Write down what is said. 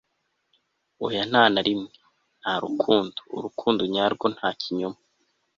oya nta na rimwe, nta rukundo, urukundo nyarwo, nta kinyoma